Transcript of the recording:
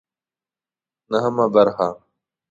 نهمه برخه